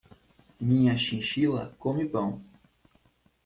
Minha chinchila come pão.